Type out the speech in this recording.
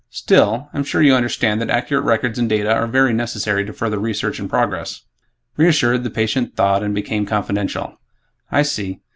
Still, I'm sure you understand that accurate records and data are very necessary to further research and progress." Reassured, the patient thawed and became confidential, "I see.